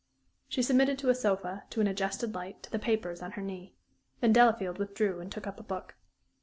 She submitted to a sofa, to an adjusted light, to the papers on her knee. Then Delafield withdrew and took up a book.